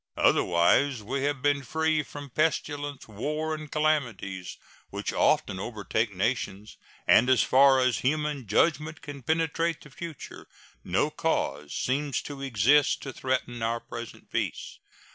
Otherwise we have been free from pestilence, war, and calamities, which often overtake nations; and, as far as human judgment can penetrate the future, no cause seems to exist to threaten our present peace.